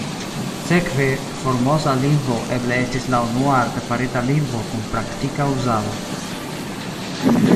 Sekve, Formosa lingvo eble estis la unua artefarita lingvo kun praktika uzado.